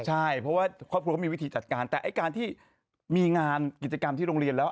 ใช่เพราะว่าครอบครัวก็มีวิธีจัดการแต่ไอ้การที่มีงานกิจกรรมที่โรงเรียนแล้ว